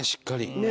ねえ。